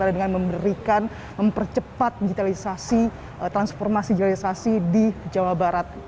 dengan memberikan mempercepat digitalisasi transformasi digitalisasi di jawa barat